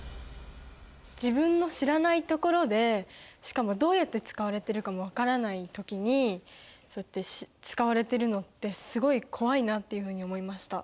自分の知らないところでしかもどうやって使われてるかも分からない時にそうやって使われてるのってすごい怖いなっていうふうに思いました。